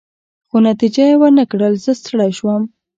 خو نتیجه يې ورنه کړل، زه ستړی شوم.